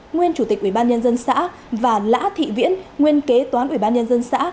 nguyên chủ tịch ủy ban nhân dân xã và lã thị viễn nguyên kế toán ủy ban nhân dân xã